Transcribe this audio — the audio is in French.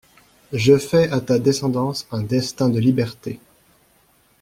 Je fais à ta descendance un destin de liberté!